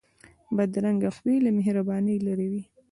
بدرنګه خوی له مهربانۍ لرې وي